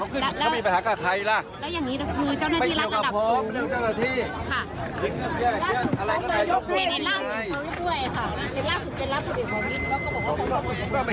รอบที่๒ที่ถูกถามก็เลยอารมณ์ขึ้นเหมือนกัน